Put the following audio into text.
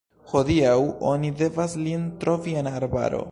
Hodiaŭ oni devas lin trovi en arbaro.